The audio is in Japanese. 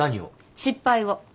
失敗を。